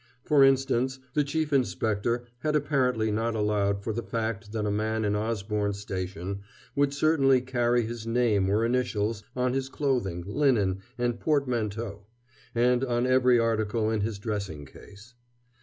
For instance, the Chief Inspector had apparently not allowed for the fact that a man in Osborne's station would certainly carry his name or initials on his clothing, linen, and portmanteaux, and on every article in his dressing case.